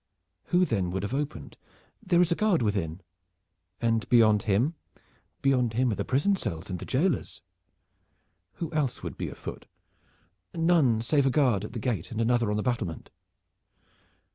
"Who then would have opened?" "There is a guard within." "And beyond him?" "Beyond him are the prison cells and the jailers." "Who else would be afoot?" "No one save a guard at the gate and another on the battlement."